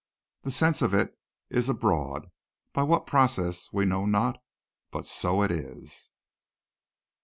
The sense of it is abroad by what processes we know not, but so it is.